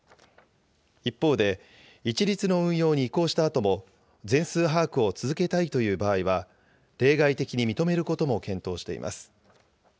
一方で、一律の運用に移行したあとも全数把握を続けたいという場合は、例外的に認めることも検討しています。